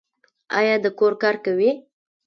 ایا د کور کار کوي؟